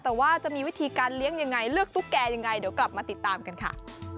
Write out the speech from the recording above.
แต่ว่าจะมีวิธีการเลี้ยงยังไงเลือกตุ๊กแก่ยังไงเดี๋ยวกลับมาติดตามกันค่ะ